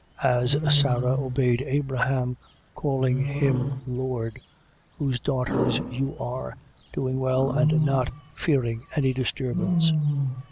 As Sara obeyed Abraham, calling him lord: whose daughters you are, doing well and not fearing any disturbance.